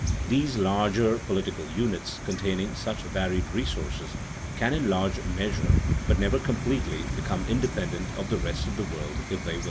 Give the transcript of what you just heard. These larger political units containing such varied resources can in larger measure, but never completely, become independent of the rest of the world if they will.